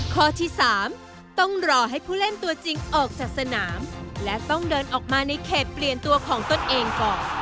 ข้อที่๓ต้องรอให้ผู้เล่นตัวจริงออกจากสนามและต้องเดินออกมาในเขตเปลี่ยนตัวของตนเองก่อน